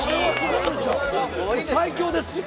最強です。